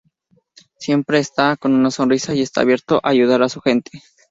Siempre está con una sonrisa y está abierto a ayudar a su gente.